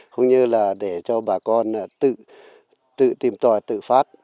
cũng như là để cho bà con tự tìm tòi tự phát